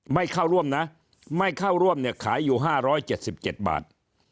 ไม่เข้าร่วมนะไม่เข้าร่วมเนี่ยขายอยู่๕๗๗บาท